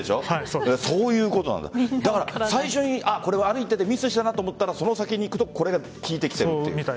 最初にこれは悪い手でミスしたなと思ったらその先にいくとこれが効いてきてるという。